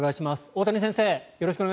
大谷先生